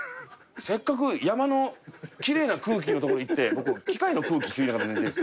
せっかく山のきれいな空気の所行って僕機械の空気吸いながら寝てるんですよ。